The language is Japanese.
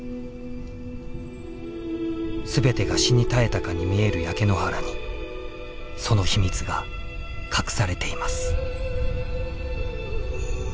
全てが死に絶えたかに見える焼け野原にその秘密が隠されています。